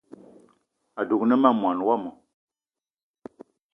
Adugna ma mwaní wama